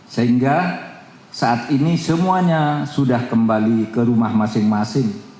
sehingga saat ini semuanya sudah kembali ke rumah masing masing